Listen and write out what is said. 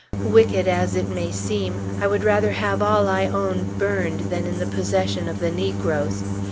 Wicked as it may seem, I would rather have all I own burned, than in the possession of the negroes.